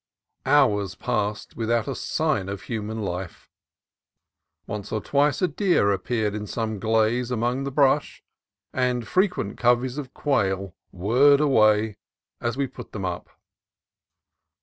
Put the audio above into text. Hours passed without a sign of human life: once or twice a deer appeared in some glade among the brush, and frequent coveys of quail whirred away as we put them up.